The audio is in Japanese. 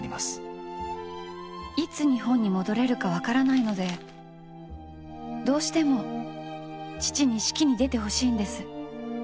いつ日本に戻れるか分からないのでどうしても父に式に出て欲しいんです。